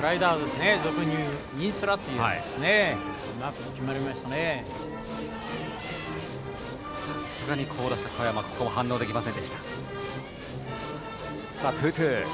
さすがに好打者・小山反応できませんでした。